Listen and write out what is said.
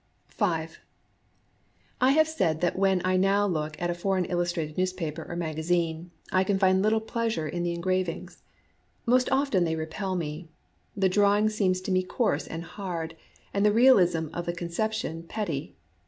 I have said that when I now look at a foreign illustrated newspaper or magazine I can find little pleasure in the engravings. Most often they repel me. The drawing seems to me coarse and hard, and the realism of the conception petty.